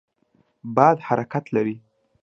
باد حرکت لري.